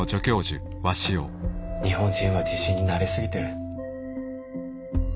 日本人は地震に慣れ過ぎてる。